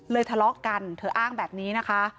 ทะเลาะกันเธออ้างแบบนี้นะคะ